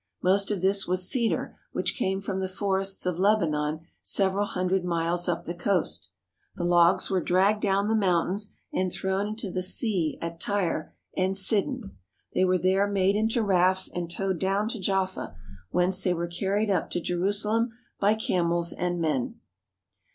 Most of this was cedar which came from the forests of Lebanon several hundred miles up the coast. The logs were dragged down the mountains and thrown into the sea at Tyre and Sidon. They were there made into rafts and towed down to Jaffa, whence they were carried up to Jerusalem by camels and men.